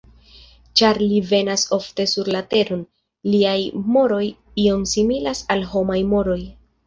Ĉar li venas ofte sur la Teron, liaj moroj iom similas al homaj moroj.